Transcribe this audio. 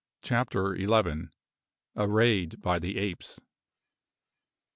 CHAPTER ELEVEN. A RAID BY THE APES.